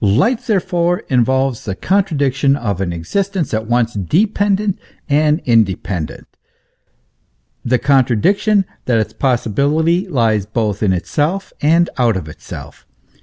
Life therefore involves the contradic tion of an existence at once dependent and independent, the contradiction that its possibility lies both in itself and out of itself.